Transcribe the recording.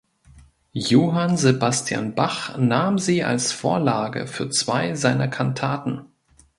Johann Sebastian Bach nahm sie als Vorlage für zwei seiner Kantaten.